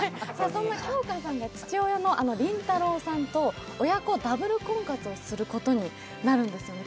そんな杏花さんが父親の林太郎さんと親子ダブル婚活をすることになるんですね。